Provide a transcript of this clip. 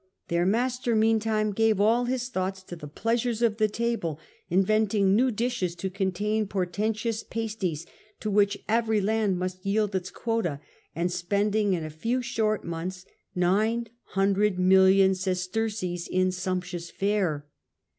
Their master meantime gave all his thoughts to the pleasures of the table, inventing new dishes to contain portentous pasties to which every land must yield its quota, and spending in a few short months nine hundred million sesterces in sumptuous fare.